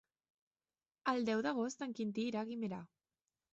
El deu d'agost en Quintí irà a Guimerà.